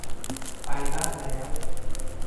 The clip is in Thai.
ไปบ้างแล้ว